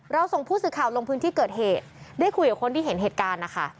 ส่งผู้สื่อข่าวลงพื้นที่เกิดเหตุได้คุยกับคนที่เห็นเหตุการณ์นะคะ